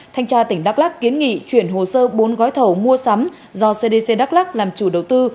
thanh tra tỉnh đắk lắc kiến nghị chuyển hồ sơ bốn gói thầu mua sắm do cdc đắk lắc làm chủ đầu tư